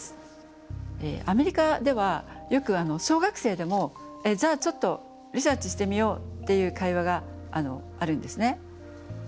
アメリカではよく小学生でも「じゃあちょっとリサーチしてみよう」っていう会話があるんですね。